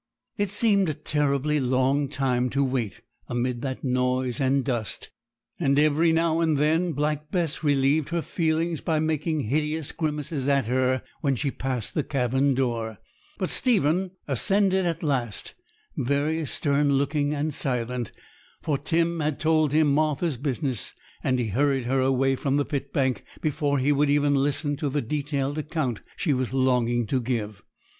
It seemed a terribly long time to wait amid that noise and dust, and every now and then Black Bess relieved her feelings by making hideous grimaces at her when she passed the cabin door; but Stephen ascended at last, very stern looking and silent, for Tim had told him Martha's business; and he hurried her away from the pit bank before he would listen to the detailed account she was longing to give.